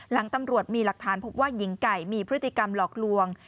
หลังตำรวจมีหลักฐานพบว่าหญิงไก่มีพฤติกรรมหลอกลวง